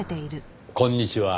あっこんにちは。